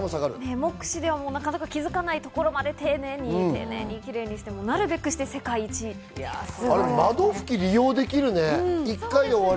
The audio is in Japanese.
目視ではなかなか気づかないところまで、丁寧にキレイにして、なるべくして世界一になっているですね。